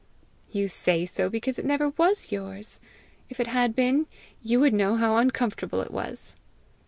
"You say so because it never was yours: if it had been, you would know how uncomfortable it was!"